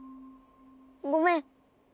ごめん。